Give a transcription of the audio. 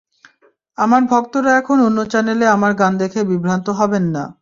আমার ভক্তরা এখন অন্য চ্যানেলে আমার গান দেখে বিভ্রান্ত হবেন না।